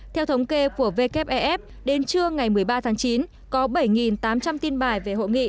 theo thống kê của wef đến trưa ngày một mươi ba tháng chín có bảy tám trăm linh tin bài về hội nghị